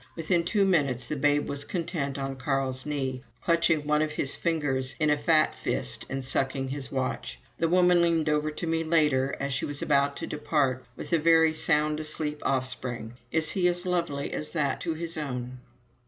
Within two minutes the babe was content on Carl's knees, clutching one of his fingers in a fat fist and sucking his watch. The woman leaned over to me later, as she was about to depart with a very sound asleep offspring. "Is he as lovely as that to his own?"